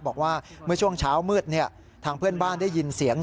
บอกว่าเมื่อช่วงเช้ามืดทางเพื่อนบ้านได้ยินเสียง